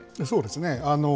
そうですね。